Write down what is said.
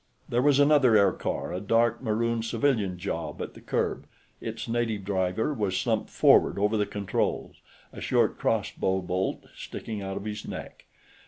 There was another aircar, a dark maroon civilian job, at the curb; its native driver was slumped forward over the controls, a short crossbow bolt sticking out of his neck.